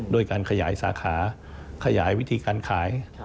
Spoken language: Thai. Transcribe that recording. โดยการขยายสาขาขยายวิธีการขาย